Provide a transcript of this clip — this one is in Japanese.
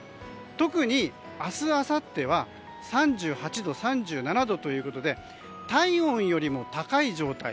特に明日あさっては３８度、３７度ということで体温よりも高い状態。